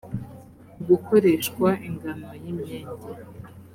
gukoreshwa ingano y imyenge